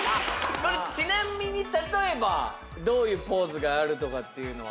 これちなみに例えばどういうポーズがあるとかっていうのは？